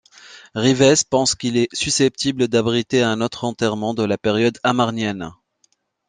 Reeves pense qu'il est susceptible d'abriter un autre enterrement de la période amarnienne.